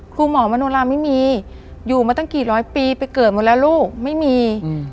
ครูหมอมโนราไม่มีอยู่มาตั้งกี่ร้อยปีไปเกิดหมดแล้วลูกไม่มี